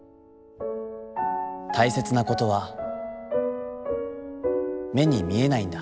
たいせつなことは、目に見えないんだ」。